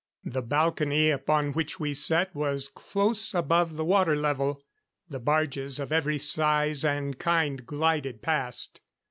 The balcony upon which we sat was close above the water level. The barges, of every size and kind, glided past.